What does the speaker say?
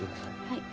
はい。